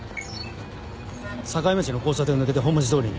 栄町の交差点を抜けて本町通りに。